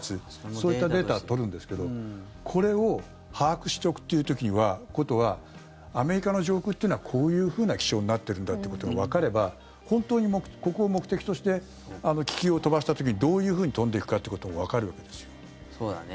そういったデータを取るんですけどこれを把握しておくということはアメリカの上空っていうのはこういうふうな気象になってるんだってことがわかれば本当に、ここを目的として気球を飛ばした時にどういうふうに飛んでいくかってこともそうだね。